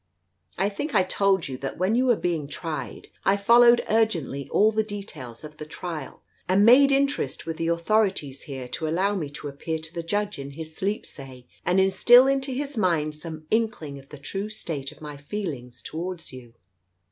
I think I told you that when you were being tried, I followed urgently all the details of the trial, and made interest with the authorities here to allow me to appear to the judge in his sleep, say, and instil into his mind some inkling of the true state of my feelings towards you.